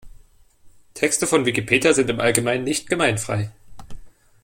Texte von Wikipedia sind im Allgemeinen nicht gemeinfrei.